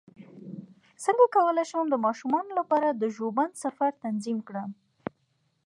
څنګه کولی شم د ماشومانو لپاره د ژوبڼ سفر تنظیم کړم